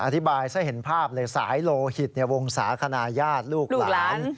อธิบายซะเห็นภาพเลยสายโลหิตวงศาคณะญาติลูกหลาน